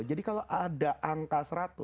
jadi kalau ada angka seratus